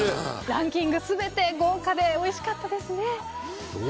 ランキング全て豪華でおいしかったですね。